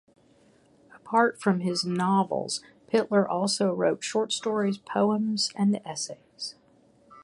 Apart from his novels Pittler also wrote short stories, poems and essays.